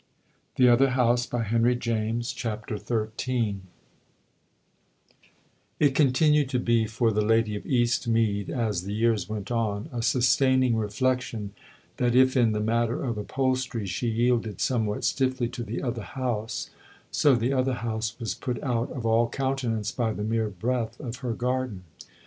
END OF BOOK FIRST BOOK SECOND XIII IT continued to be for the lady of Eastmead, as the years went on, a sustaining reflection that if in the matter of upholstery she yielded somewhat stiffly to the other house, so the other house was put out of all countenance by the mere breath of her garden.